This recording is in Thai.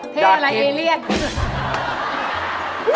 เท่อะไรเอเลียน